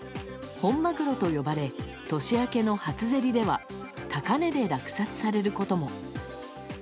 本マグロと呼ばれ年明けの初競りでは高値で落札されることも。